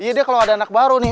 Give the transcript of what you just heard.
iya deh kalo ada anak baru nih